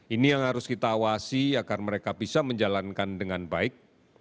ini yang harus kita awasi agar mereka bisa menjalankan dengan baik